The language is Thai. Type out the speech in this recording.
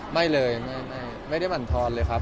ไม่เลยไม่มันทรเลยครับ